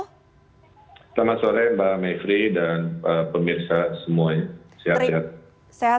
selamat sore mbak mevri dan pemirsa semuanya sehat sehat